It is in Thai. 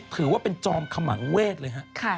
ถือว่าเป็นจอมขมังเวศเลยฮะ